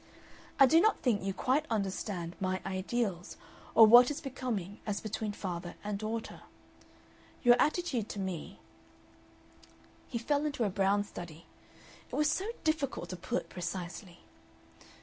I do not think you quite understand my ideals or what is becoming as between father and daughter. Your attitude to me " He fell into a brown study. It was so difficult to put precisely.